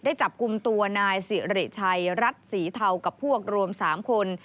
จับกลุ่มตัวนายสิริชัยรัฐศรีเทากับพวกรวม๓คน